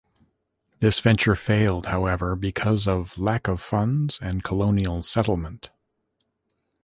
This venture failed, however, because of lack of funds and colonial settlement.